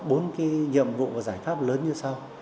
bốn cái nhiệm vụ và giải pháp lớn như sau